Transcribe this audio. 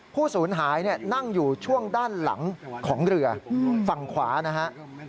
ผู้สูญหายนั่งอยู่ช่วงด้านหลังของเรือฝั่งขวานะฮะ